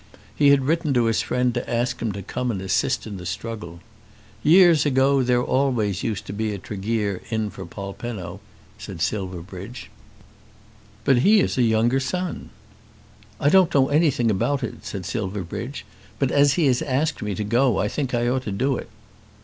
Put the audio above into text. He had written to his friend to ask him to come and assist in the struggle. "Years ago there used to be always a Tregear in for Polpenno," said Silverbridge. "But he is a younger son." "I don't know anything about it," said Silverbridge, "but as he has asked me to go I think I ought to do it."